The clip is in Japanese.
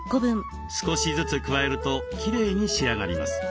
少しずつ加えるときれいに仕上がります。